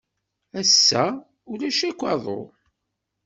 Ass-a, ulac akk aḍu.